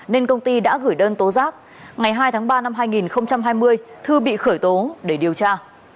nên công ty đã gửi đơn tố giác ngày hai tháng ba năm hai nghìn hai mươi thư bị khởi tố để điều tra